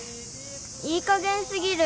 いいかげんすぎる！